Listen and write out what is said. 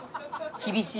厳しい。